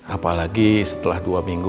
apalagi setelah dua minggu